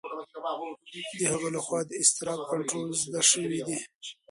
د هغه لخوا د اضطراب کنټرول زده شوی دی.